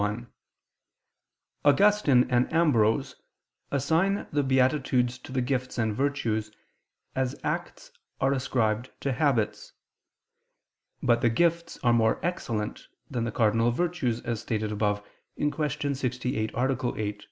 1: Augustine and Ambrose assign the beatitudes to the gifts and virtues, as acts are ascribed to habits. But the gifts are more excellent than the cardinal virtues, as stated above (Q. 68, A. 8).